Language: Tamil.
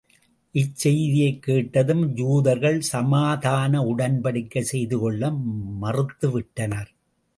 இச்செய்தியைக் கேட்டதும் யூதர்கள் சமாதான உடன்படிக்கை செய்துகொள்ள மறுத்துவிட்டனர்.